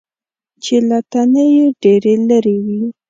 چې له تنې یې ډېرې لرې وي .